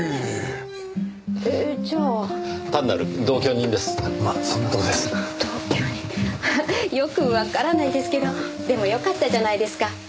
同居人よくわからないですけどでもよかったじゃないですか。